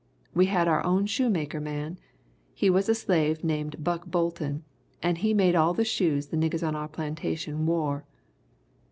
We had our own shoemaker man he was a slave named Buck Bolton and he made all the shoes the niggers on our plantation wore.